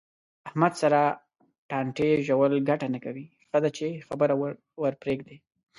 احمد سره ټانټې ژول گټه نه کوي. ښه ده چې خبره ورپرېږدې.